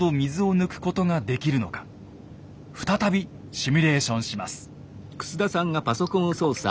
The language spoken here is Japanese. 再びシミュレーションします。